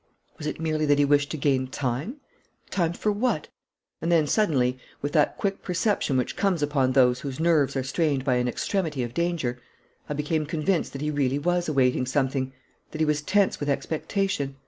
Was it merely that he wished to gain time? Time for what? And then, suddenly, with that quick perception which comes upon those whose nerves are strained by an extremity of danger, I became convinced that he really was awaiting something that he was tense with expectation.